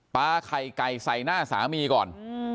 ไข่ไก่ใส่หน้าสามีก่อน